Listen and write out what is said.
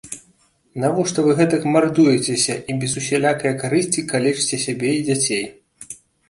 Навошта вы гэтак мардуецеся і без усялякае карысці калечыце сябе і дзяцей?